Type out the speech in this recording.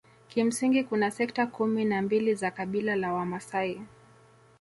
Kimsingi kuna sekta kumi na mbili za kabila la Wamasai